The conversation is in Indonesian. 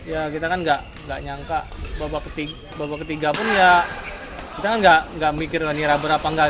ya kita kan nggak nyangka bahwa ketiga pun ya kita kan nggak mikir rubber apa nggak